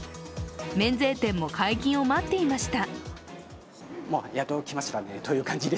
免税店も解禁を待っていました。